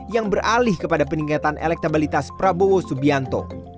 yang beralih kepada peningkatan elektabilitas prabowo subianto